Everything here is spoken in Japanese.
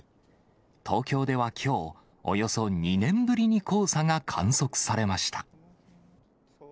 東京ではきょう、およそ２年ぶりに黄砂が観測されました。